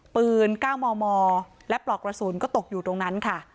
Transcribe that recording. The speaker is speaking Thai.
ปืน๙มมและปลอกกระสุนก็ตกอยู่ตรงนั้นค่ะ